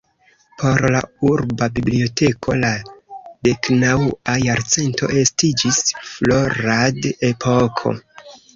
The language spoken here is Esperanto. Por la Urba Biblioteko la deknaŭa jarcento estiĝis florad-epoko.